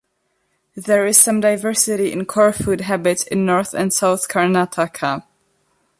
There is some diversity in core food habits of North and South Karnataka.